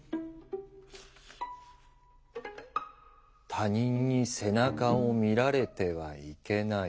「他人に背中を見られてはいけない。